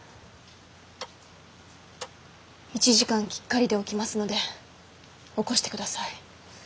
１時間きっかりで起きますので起こして下さい。